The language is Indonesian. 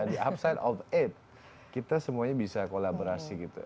di upside of aid kita semuanya bisa kolaborasi gitu